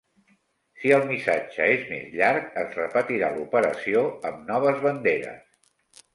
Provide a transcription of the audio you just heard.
Si el missatge és més llarg, es repetirà l'operació amb noves banderes.